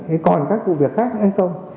hay còn các vụ việc khác hay không